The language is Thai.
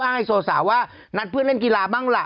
เพราะว่าระครที่เล่นเนี่ยกำลังจะ